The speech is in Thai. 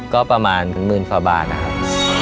ก็ประมาณ๑๐๐๐๐ฟาบาทนะครับ